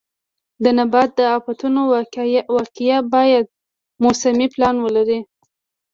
د نبات د آفتونو وقایه باید موسمي پلان ولري.